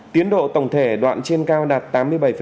tiến độ tổng thể đoạn trên cao đạt tám mươi bảy tám mươi năm